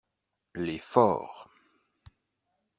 Les forts.